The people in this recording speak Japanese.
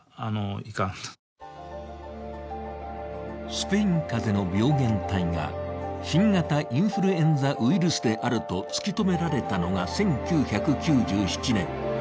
スペイン風邪の病原体が新型インフルエンザウイルスであると突きとめられたが１９９７年。